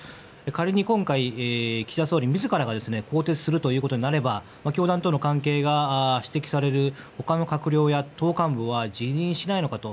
仮に今回、岸田総理自らが更迭するということになれば教団との関係が指摘されるほかの閣僚や党幹部は辞任しないのかと。